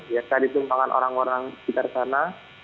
ya tadi tembakan orang orang di sekitar sana